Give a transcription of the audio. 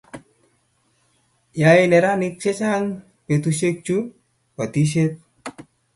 Yae neranik chechang petushek chuu batishet